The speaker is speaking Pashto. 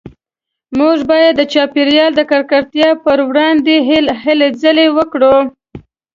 موږ باید د چاپیریال د ککړتیا پروړاندې هلې ځلې وکړو